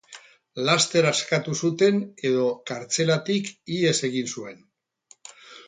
Laster askatu zuten edo kartzelatik ihes egin zuen.